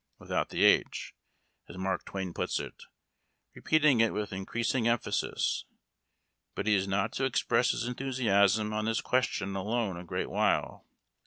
without the h," as Mark Twain puts it, repeating it with increasing emphasis. But he is not to express his enthusiasm on this question alone a great while.